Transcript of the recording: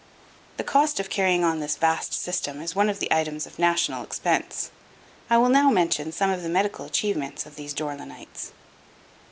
The cost of carrying on this vast system is one of the items of national expense. I will now mention some of the medical achievements of these Dore lynites.